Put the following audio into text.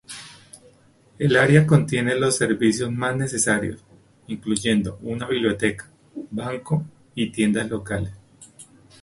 El área contiene los servicios más necesarios, incluyendo una biblioteca, banco y tiendas locales.